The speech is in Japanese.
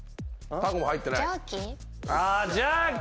タコ入ってない。